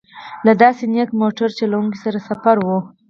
له داسې نېک موټر چلوونکي سره سفر و.